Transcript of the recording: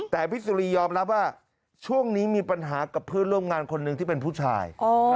แต่พี่สุรียอมรับว่าช่วงนี้มีปัญหากับเพื่อนร่วมงานคนหนึ่งที่เป็นผู้ชาย